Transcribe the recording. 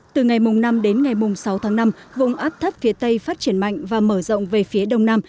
từ ngày năm đến ngày sáu tháng năm vùng áp thấp phía tây phát triển mạnh và mở rộng về phía đông nam